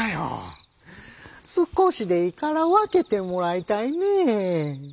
「少しでいいから分けてもらいたいねえ」。